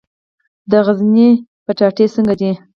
د غزني الوګان څنګه دي؟